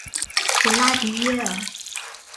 普拉迪耶尔。